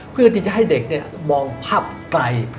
เพื่อที่จะให้เด็กมองภาพไกล